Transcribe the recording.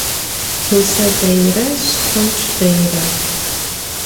Гъусэ дэйрэ, шхонч дэйрэ.